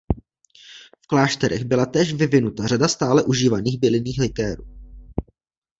V klášterech byla též vyvinuta řada stále užívaných bylinných likérů.